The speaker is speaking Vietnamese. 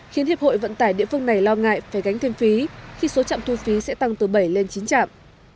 khiến hiệp hội vận tải địa phương này lo ngại phải gánh thêm phí khi số trạm thu phí sẽ tăng từ bảy lên chín trạm